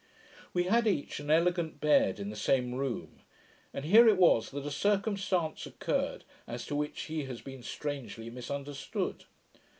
We had each an elegant bed in the same room; and here it was that a circumstance occurred, as to which he has been strangely misunderstood.